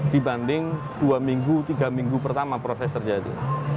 dibanding dua minggu tiga minggu pertama proses terjadi